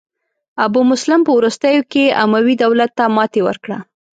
ابو مسلم په وروستیو کې اموي دولت ته ماتې ورکړه.